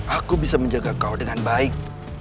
aku bisa menjaga kau dengan baik